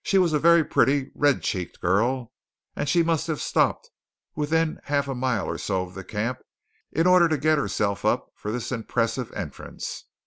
She was a very pretty, red cheeked girl, and she must have stopped within a half mile or so of the camp in order to get herself up for this impressive entrance.